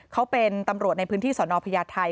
เขาเป็นตำรวจในพื้นที่สนพญาไทย